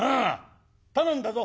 頼んだぞ」。